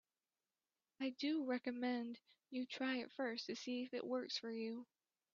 I do recommend you try it first to see if it works for you.